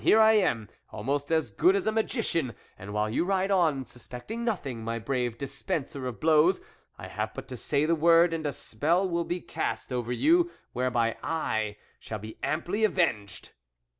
here am I, almost as good as a magician, and while you ride on, suspecting nothing, my brave dispenser of blows, I have but to say the word, and a spell will be cast over you whereby I shall be amply avenged."